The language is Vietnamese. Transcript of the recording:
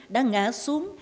đã ngã xuống